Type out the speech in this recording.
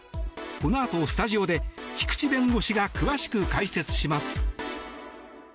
このあとスタジオで菊地弁護士が詳しく解説します。